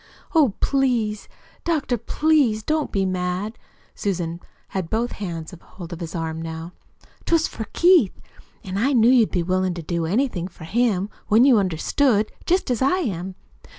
"Oh, please, doctor, please, don't be mad!" Susan had both hands hold of his arm now. "'Twas for Keith, an' I knew you'd be willin' to do anything for him, when you understood, jest as I am.